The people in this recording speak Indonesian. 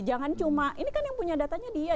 jangan cuma ini kan yang punya datanya dia